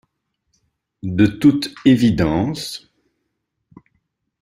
De toute évidence...